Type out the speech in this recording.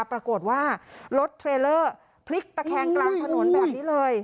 ปรากฏว่ารถเทรลเลอร์พลิกตะแคงกลางถนนแบบนี้เลย